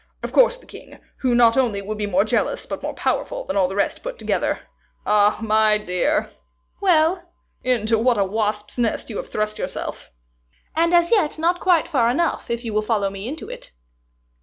Of course the king, who not only will be more jealous, but more powerful than all the rest put together. Ah, my dear!" "Well?" "Into what a wasp's nest you have thrust yourself!" "And as yet not quite far enough, if you will follow me into it."